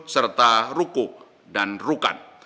serta rukuk dan rukan